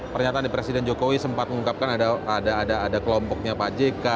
pernyataan di presiden jokowi sempat mengungkapkan ada kelompoknya pajeka